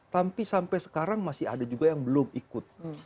tapi sampai sekarang masih ada juga yang belum ikut